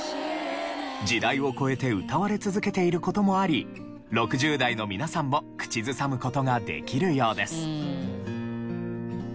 時代を超えて歌われ続けている事もあり６０代の皆さんも口ずさむ事ができるようです。